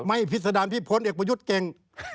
ไม่พิษดันพี่พ้นเอกประยุทธ์เก่ง